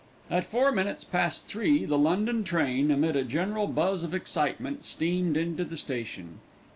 At four minutes past three the London train, amid a general buzz of excitement, steamed into the station.